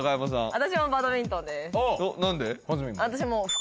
私もバドミントンです何で？